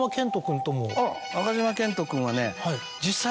中島健人君はね。